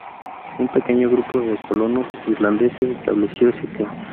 Un pequeño grupo de colonos irlandeses estableció St.